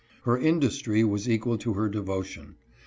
Her industry was equal to her devotion.